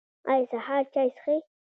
ایا سهار چای څښئ؟